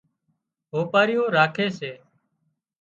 هوپارِيُون راکي سي